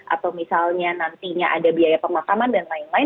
atau misalnya nantinya ada biaya pemakaman dan lain lain